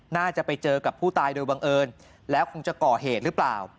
น่าจะไปเจอกับผู้ตายโดยบังเอิญแล้วคงจะก่อเหตุหรือเปล่า